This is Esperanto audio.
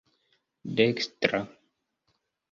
dekstra